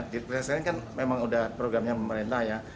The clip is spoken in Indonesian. di proses ini kan memang udah programnya memerintah ya